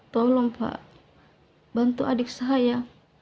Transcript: tolong pak bantu adik saya